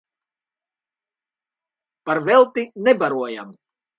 Par velti nebarojam.